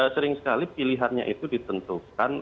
sering sekali pilihannya itu ditentukan